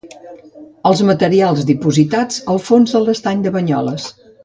Els materials dipositats al fons de l'estany de Banyoles.